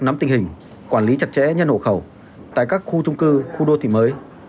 nắm tình hình quản lý chặt chẽ nhân hộ khẩu tại các khu trung cư khu đô thị mới